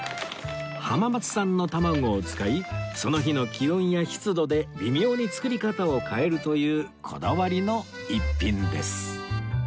浜松産の卵を使いその日の気温や湿度で微妙に作り方を変えるというこだわりの逸品です